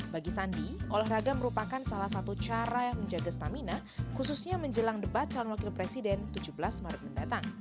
bagi sandi olahraga merupakan salah satu cara yang menjaga stamina khususnya menjelang debat calon wakil presiden tujuh belas maret mendatang